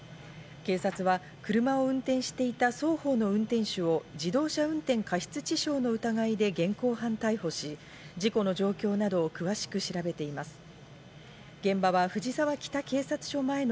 警察は車を運転していた双方の運転手を自動車運転過失致傷の疑いで現行犯逮捕し、事故の状況などを詳しく調べています。